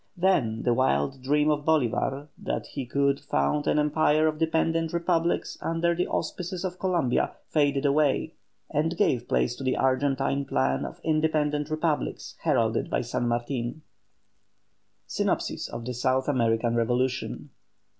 Then the wild dream of Bolívar that he could found an empire of dependent republics under the auspices of Columbia faded away, and gave place to the Argentine plan of independent republics heralded by San Martin. SYNOPSIS OF THE SOUTH AMERICAN REVOLUTION.